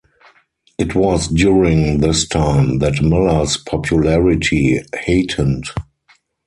It was during this time that Miller's popularity heightened.